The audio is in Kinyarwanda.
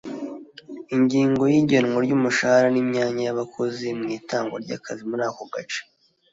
Ingingo y’igenwa ry’umushahara n’imyanya yabakozi mwitangwa ry’akazi muri ako gace.